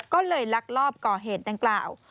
ก็เลยลักลอบก่อเหตุดังกล่าว